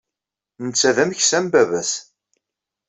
Netta d ameksa am baba-s.